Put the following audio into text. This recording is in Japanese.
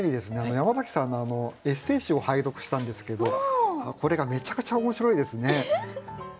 山崎さんのエッセー集を拝読したんですけどこれがめちゃくちゃ面白いですね。